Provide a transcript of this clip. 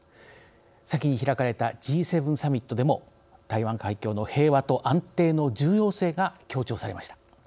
先に開かれたＧ７サミットでも台湾海峡の平和と安定の重要性が強調されました。